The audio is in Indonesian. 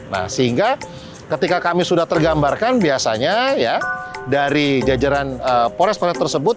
nah sehingga ketika kami sudah tergambarkan biasanya ya dari jajaran polres pores tersebut